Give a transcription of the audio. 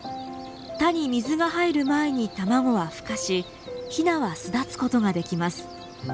田に水が入る前に卵はふ化しヒナは巣立つことができます。